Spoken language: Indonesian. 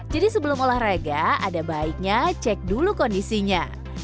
jadi sebelum olahraga ada baiknya cek dulu kondisinya